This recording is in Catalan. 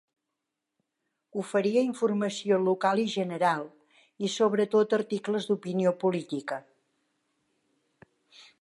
Oferia informació local i general, i sobretot articles d'opinió política.